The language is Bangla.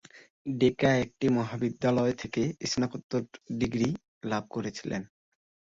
ডেকা একটি মহাবিদ্যালয় থেকে স্নাতকোত্তর ডিগ্রী লাভ করেছিলেন।